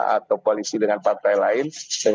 atau koalisi dengan partai lain